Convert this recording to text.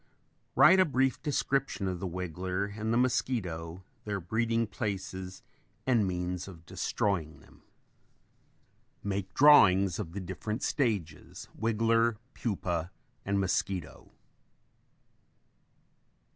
Write a brief description of the wiggler and the mosquito, their breeding places and means of destroying them. Make drawings of the different stages, wiggler, pupa and mosquito.